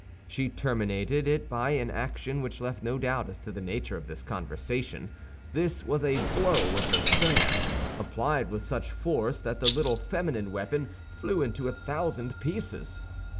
She terminated it by an action which left no doubt as to the nature of this conversation; this was a blow with her fan, applied with such force that the little feminine weapon flew into a thousand pieces.